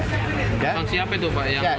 sanksi apa itu pak